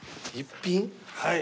はい。